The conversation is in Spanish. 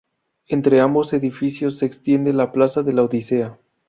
Entre ambos edificios se extiende la plaza de la Odisea.